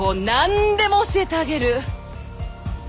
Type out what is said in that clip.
何でも教えてあげる！